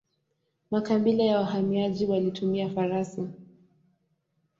Makabila ya wahamiaji walitumia farasi.